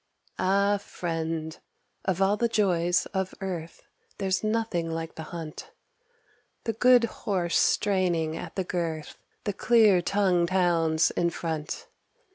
Ah, friend, of all the joys of earth, There's nothing like the hunt, The good horse straining at the girth, The clear tongued hounds in front.